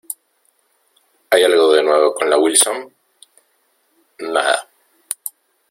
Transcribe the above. ¿ hay algo de nuevo con la Wilson? nada.